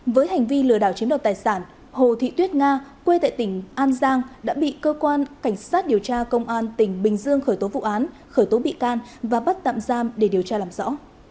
với hành vi lừa đảo chiếm đoạt tài sản hồ thị tuyết nga quê tại tỉnh an giang đã bị cơ quan cảnh sát điều tra công an tỉnh bình dương khởi tố vụ án khởi tố bị can và bắt tạm giam để điều tra làm rõ